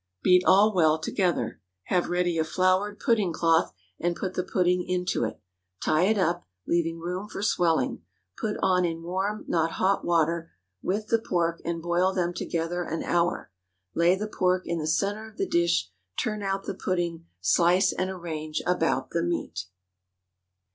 Beat all well together. Have ready a floured pudding cloth, and put the pudding into it. Tie it up, leaving room for swelling; put on in warm, not hot water, with the pork, and boil them together an hour. Lay the pork in the centre of the dish, turn out the pudding, slice and arrange about the meat.